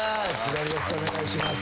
お願いします。